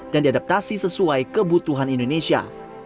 dan diadaptasi sesuai kebutuhan indonesia